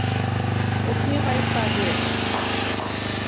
O que vais fazer?